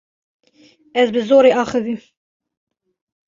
Ez bi zorê axivîm.